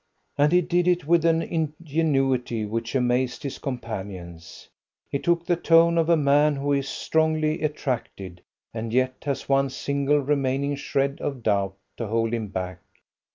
And he did it with an ingenuity which amazed his companions. He took the tone of a man who is strongly attracted, and yet has one single remaining shred of doubt to hold him back.